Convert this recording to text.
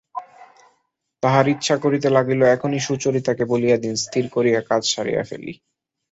তাঁহার ইচ্ছা করিতে লাগিল এখনই সুচরিতাকে বলিয়া দিন স্থির করিয়া কাজ সারিয়া ফেলি।